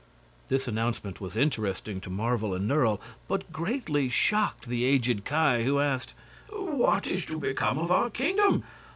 This announcement was interesting to Marvel and Nerle, but greatly shocked the aged Ki, who asked: "What is to become of our kingdom?